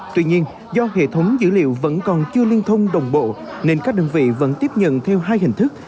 tuy nhiên do hệ thống dữ liệu vẫn còn chưa liên thông đồng bộ nên các đơn vị vẫn tiếp nhận theo hai hình thức